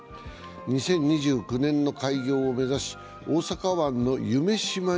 ２０２９年の開業を目指し大阪湾の夢